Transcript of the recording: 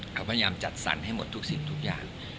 เขาพยายามจัดสรรให้หมดทุกสิ่งทุกอย่าง